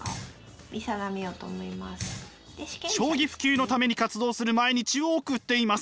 将棋普及のために活動する毎日を送っています。